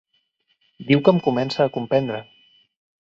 Diu que em comença a comprendre.